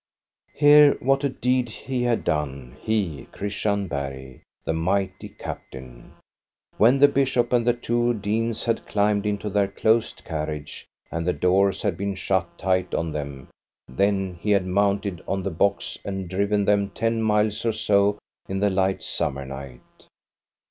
Hear what a deed he had done, he, Christian INTRODUCTION 9 Bergh, the mighty Captain. When the bishop and the two deans had climbed into their closed carriage, and the doors had been shut tight on them, then he had mounted on the box and driven them ten miles or so in the light summer night.